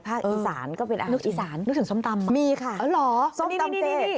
ภาคอีสานก็เป็นอาหารอีสานนึกถึงส้มตำมีค่ะอ๋อเหรอนี่